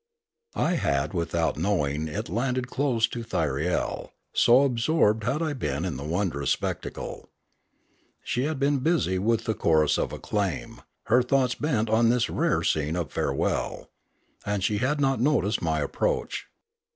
I had without knowing it landed close to Thyriel, so absorbed had I been in the wondrous spectacle. She had been busy with the chorus of acclaim, her thoughts bent on this rare scene of farewell; and she had not noticed my approach.